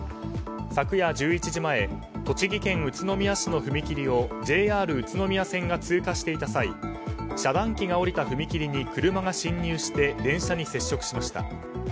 昨夜１１時前栃木県宇都宮市の踏切をＪＲ宇都宮線が通過していた際遮断機が下りた踏切に車が進入して電車に接触しました。